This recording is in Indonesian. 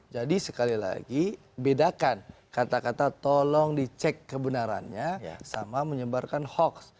jadi sekali lagi bedakan kata kata tolong dicek kebenarannya sama menyebarkan hoax